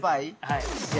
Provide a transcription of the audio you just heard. ◆はい。